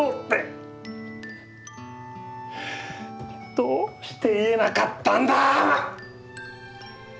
どうして言えなかったんだ！